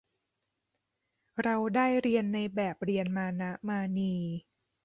เราได้เรียนในแบบเรียนมานะมานี